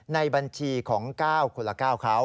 ในบัญชีของ๙คนละ๙เขา